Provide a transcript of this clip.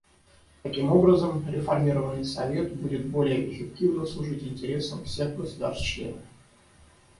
Таким образом, реформированный Совет будет более эффективно служить интересам всех государств-членов.